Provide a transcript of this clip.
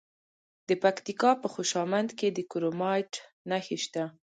د پکتیکا په خوشامند کې د کرومایټ نښې شته.